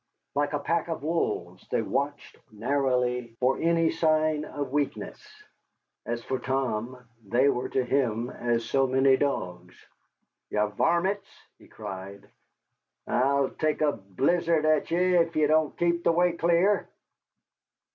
Like a pack of wolves, they watched narrowly for any sign of weakness. As for Tom, they were to him as so many dogs. "Ye varmints!" he cried, "I'll take a blizz'rd at ye if ye don't keep the way clear."